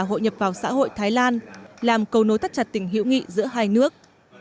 hội nhập vào xã hội thái lan làm cầu nối tắt chặt tình hữu nghị giữa hai nước